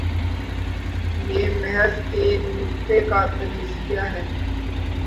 یہ محض ایک نکتے کا تجزیہ ہے۔